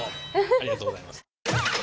ありがとうございます。